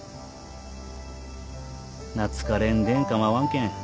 懐かれんでん構わんけん